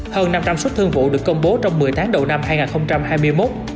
hơn năm trăm linh xuất thương vụ được công bố trong một mươi tháng đầu năm hai nghìn hai mươi một